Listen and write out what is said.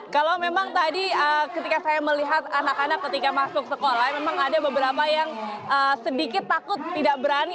kalau memang tadi ketika saya melihat anak anak ketika masuk sekolah memang ada beberapa yang sedikit takut tidak berani